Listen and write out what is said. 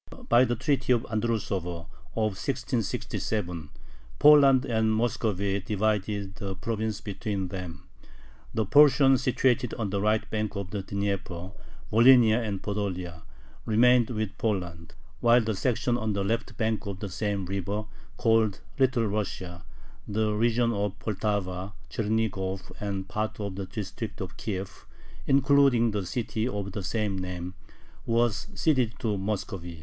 By the Treaty of Andrusovo, of 1667, Poland and Muscovy divided the province between them: the portion situated on the right bank of the Dnieper (Volhynia and Podolia) remained with Poland, while the section on the left bank of the same river, called Little Russia (the region of Poltava, Chernigov, and part of the district of Kiev, including the city of the same name), was ceded to Muscovy.